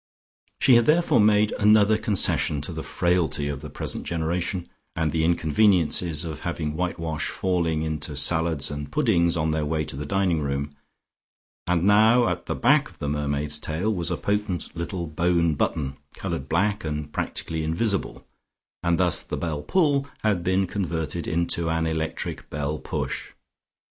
She had therefore made another concession to the frailty of the present generation and the inconveniences of having whitewash falling into salads and puddings on their way to the dining room, and now at the back of the mermaid's tail was a potent little bone button, coloured black and practically invisible, and thus the bell pull had been converted into an electric bell push.